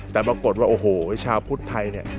แต่ปรากฏว่าโอ้โหชาวพุทธไทยเนี่ย